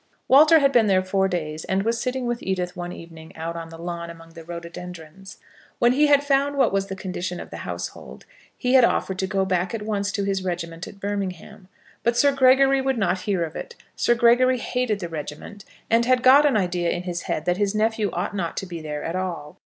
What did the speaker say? Walter had been there four days, and was sitting with Edith one evening out on the lawn among the rhododendrons. When he had found what was the condition of the household, he had offered to go back at once to his regiment at Birmingham. But Sir Gregory would not hear of it. Sir Gregory hated the regiment, and had got an idea in his head that his nephew ought not to be there at all.